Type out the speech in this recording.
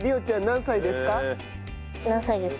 何歳ですか？